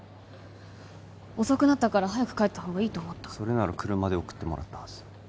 遅くなったから早く帰った方がいいと思ったそれなら車で送ってもらったはず